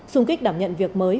xung kích đảm nhận việc mới